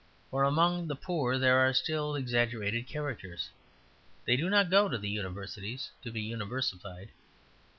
For among the poor there are still exaggerated characters; they do not go to the Universities to be universified.